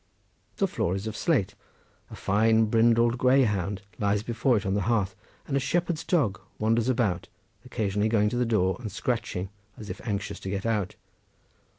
"The floor is of slate; a fine brindled greyhound lies before it on the hearth, and a shepherd's dog wanders about, occasionally going to the door and scratching as if anxious to get out.